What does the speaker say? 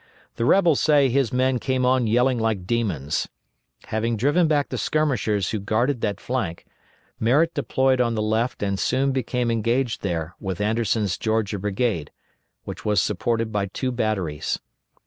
The rebels say his men came on yelling like demons. Having driven back the skirmishers who guarded that flank, Merritt deployed on the left and soon became engaged there with Anderson's Georgia brigade, which was supported by two batteries.